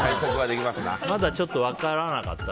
まだちょっと分からなかった。